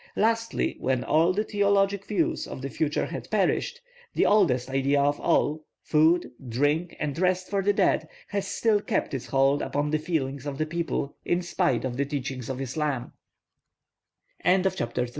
Lastly, when all the theologic views of the future had perished, the oldest idea of all, food, drink, and rest for the dead, has still kept its hold upon the feelings of the people in spite of the teachings of